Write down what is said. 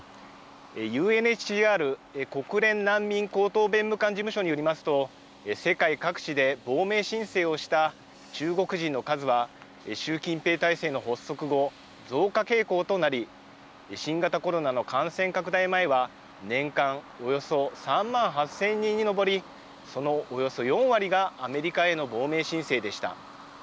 ＵＮＨＣＲ・国連難民高等弁務官事務所によりますと、世界各地で亡命申請をした中国人の数は、習近平体制の発足後、増加傾向となり、新型コロナの感染拡大前は年間およそ３万８０００人に上り、そのおよそ４割がアメリカへの亡命申請でした。